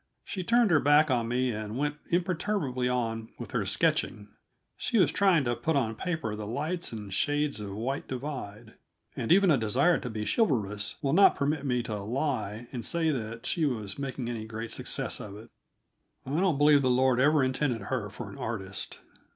She turned her back on me and went imperturbably on with her sketching; she was trying to put on paper the lights and shades of White Divide and even a desire to be chivalrous will not permit me to lie and say that she was making any great success of it. I don't believe the Lord ever intended her for an artist.